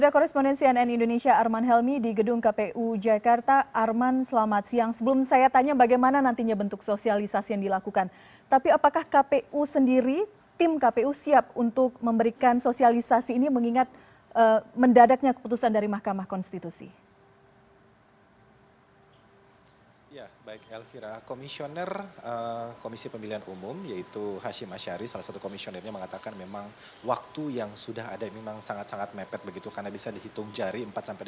keputusan mahkamah konstitusi